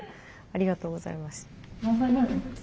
ありがとうございます。